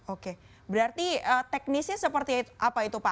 oke berarti teknisnya seperti apa itu pak